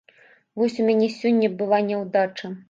Вось у мяне сёння была няўдача.